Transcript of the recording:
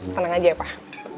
tenang aja ya pak